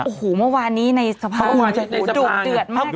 โอ้โหเมื่อวานนี้ในสะพานโดดเตือดมากเกิน